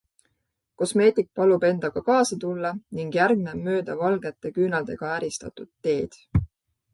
Kosmeetik palub endaga kaasa tulla ning järgnen mööda valgete küünaldega ääristatud teed.